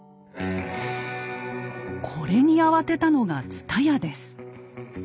これに慌てたのが蔦屋です。